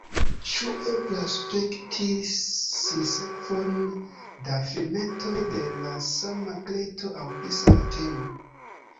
Ĉu eblas spekti sinsekvon da filmetoj de la sama kreinto aŭ pri sama temo?